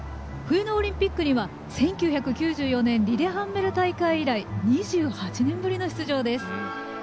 冬のオリンピックには１９９４年リレハンメル大会以来２８年ぶりの出場です。